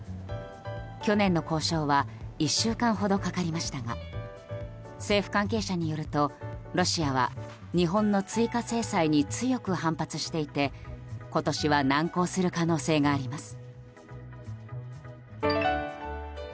去年の交渉は１週間ほどかかりましたが政府関係者によるとロシアは日本の追加制裁に強く反発していて、今年は難航する可能性があります。